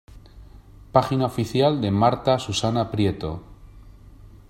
Página oficial de Martha Susana Prieto